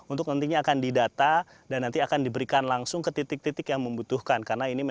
untuk nantinya akan didata dan nanti akan diberikan langsung ke titik titik yang membutuhkan